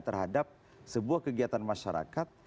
terhadap sebuah kegiatan masyarakat